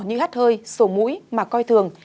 như hắt hơi sổ mũi mà coi thường